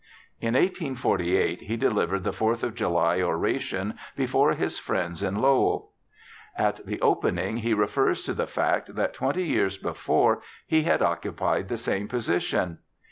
In 1848 he delivered the Fourth of July oration before his old friends in Lowell. At the opening he refers to the fact that twenty years before he had occupied the same position.